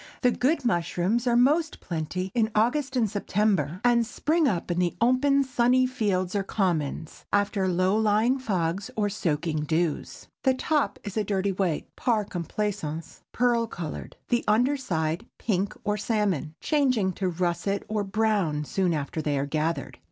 The good mushrooms are most plenty in August and September, and spring up in the open, sunny fields or commons, after low lying fogs or soaking dews. The top is a dirty white,—par complaisance, pearl color,—the under side pink or salmon, changing to russet or brown soon after they are gathered.